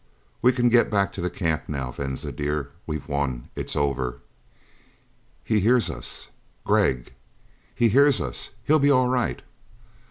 We can get back to the camp now. Venza dear, we've won it's over." "He hears us!" "Gregg!" "He hears us. He'll be all right!"